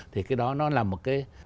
thì cái đó nó là một cái